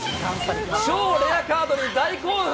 超レアカードに大興奮。